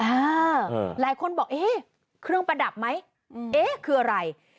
หลายคนบอกเอ๊ะเครื่องประดับไหมเอ๊ะคืออะไร